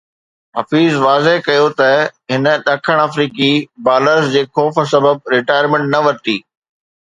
حفيظ واضح ڪيو ته هن ڏکڻ آفريڪي بالرز جي خوف سبب رٽائرمينٽ نه ورتي